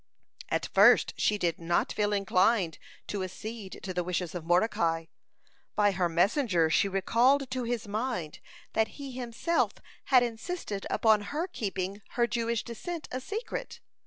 At first she did not feel inclined to accede to the wishes of Mordecai. By her messenger she recalled to his mind, that he himself had insisted upon her keeping her Jewish descent a secret.